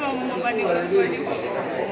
moren sangat terharu ya